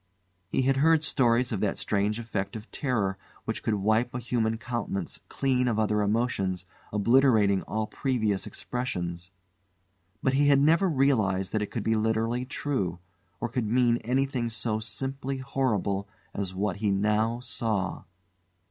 He had heard stories of that strange effect of terror which could wipe a human countenance clean of other emotions, obliterating all previous expressions; but he had never realised that it could be literally true, or could mean anything so simply horrible as what he now saw.